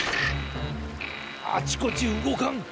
あちこちうごかん！